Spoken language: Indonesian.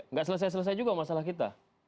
nggak selesai selesai juga masalah kita